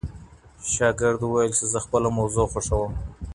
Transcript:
شاګرد وویل چي زه خپله موضوع خوښوم.